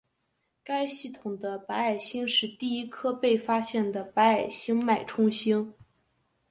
该系统的白矮星是第一颗被发现的白矮星脉冲星。